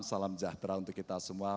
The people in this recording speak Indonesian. salam sejahtera untuk kita semua